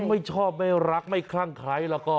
ไม่ชอบไม่รักไม่คลั่งใครแล้วก็